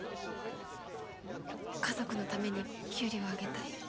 家族のために給料を上げたい。